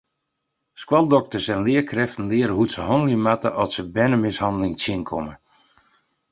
Skoaldokters en learkrêften leare hoe't se hannelje moatte at se bernemishanneling tsjinkomme.